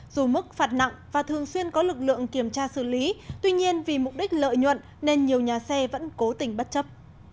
dù mức phạt nặng và thường xuyên có lực lượng kiểm tra xử lý tuy nhiên vì mục đích lợi nhuận nên nhiều nhà xe vẫn cố tình bất chấp